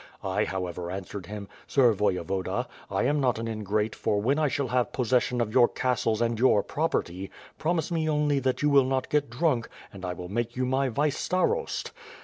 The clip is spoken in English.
I however answered him: 'Sir Voyevoda, 1 am not an ingrate for when I shall have possession of your castles and your property — promise me only that you will not get drunk — ^and I will make you my vice starost!'